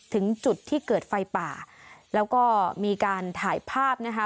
ถึงจุดที่เกิดไฟป่าแล้วก็มีการถ่ายภาพนะคะ